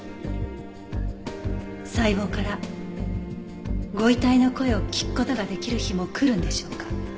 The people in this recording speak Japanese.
細胞からご遺体の声を聞く事ができる日も来るんでしょうか？